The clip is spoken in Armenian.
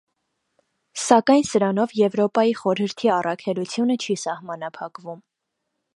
Սակայն սրանով Եվրոպայի խորհրդի առաքելությունը չի սահմանափակվում: